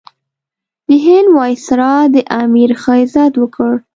د هند وایسرا د امیر ښه عزت وکړ.